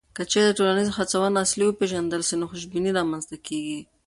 که چیرته د ټولنیزو هڅونو اصل وپېژندل سي، نو خوشبیني رامنځته کیږي.